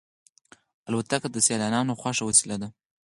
الوتکه د سیلانیانو خوښه وسیله ده.